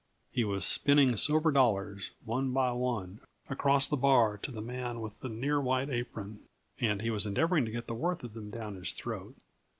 He was spinning silver dollars, one by one, across the bar to the man with the near white apron, and he was endeavoring to get the worth of them down his throat.